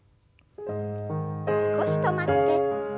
少し止まって。